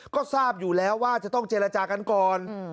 ก็ทราบอยู่แล้วว่าจะต้องเจรจากันก่อน